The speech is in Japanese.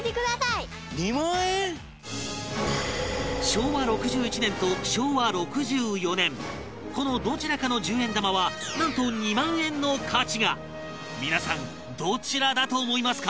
昭和６１年と昭和６４年このどちらかの十円玉はなんと２万円の価値が皆さんどちらだと思いますか？